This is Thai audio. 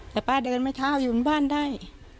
แต่ป้าเดินไม่เท้าอยู่ในบ้านได้